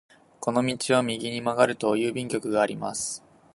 この道を右に曲がると郵便局があります。